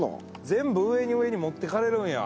全部上に上に持ってかれるんや。